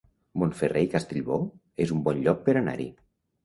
Montferrer i Castellbò es un bon lloc per anar-hi